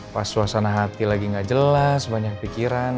pas suasana hati lagi gak jelas banyak pikiran